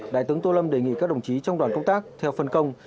đại tướng tô lâm đề nghị các đồng chí trong đoàn công tác theo phân công